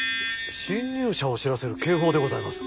侵入者を知らせる警報でございます。